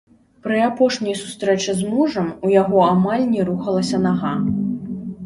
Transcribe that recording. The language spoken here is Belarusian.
Пры апошняй сустрэчы з мужам у яго амаль не рухалася нага.